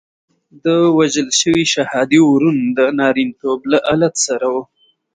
د وژل شوي شهادي ورون د نارینتوب له آلت سره وو.